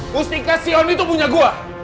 mustikasion itu punya gua